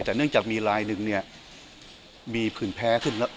แต่เนื่องจากมีลายหนึ่งเนี่ยมีผื่นแพ้ขึ้นแล้ว